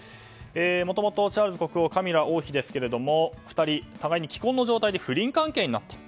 もともとチャールズ国王カミラ王妃ですが２人、互いに既婚の状態で不倫関係にあったと。